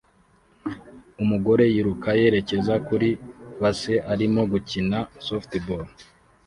Umugore yiruka yerekeza kuri base arimo gukina softball